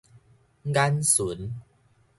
眼巡